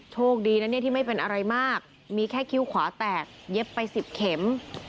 โชคดีนะเนี่ยที่ไม่เป็นอะไรมากมีแค่คิ้วขวาแตกเย็บไป๑๐เข็ม